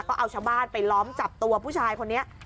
ก็เอาชาวบ้านไปล้อมจับตัวผู้ชายคนนี้